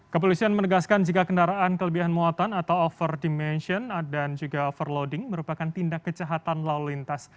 kepolisian menegaskan jika kendaraan kelebihan muatan atau overdimension dan juga overloading merupakan tindak kejahatan lalu lintas